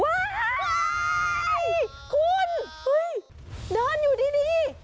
ว้ายคุณเฮ้ยเดินอยู่ดี